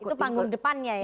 itu panggung depannya ya